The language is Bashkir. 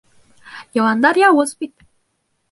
Йыландар яуыз бит.